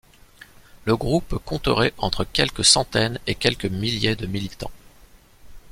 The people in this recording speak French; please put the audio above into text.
Le groupe compterait entre quelques centaines et quelques milliers de militants.